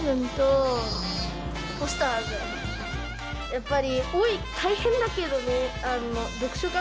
やっぱり多い、大変だけどね。